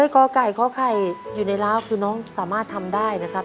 กไก่กไข่อยู่ในร้าวคือน้องสามารถทำได้นะครับ